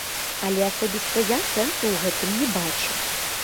Але асабіста я сэнсу ў гэтым не бачу.